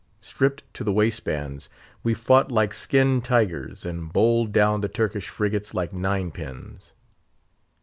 Stripped to the waistbands, we fought like skinned tigers, and bowled down the Turkish frigates like nine pins.